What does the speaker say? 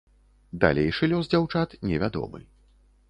Далейшы лёс дзяўчат невядомы.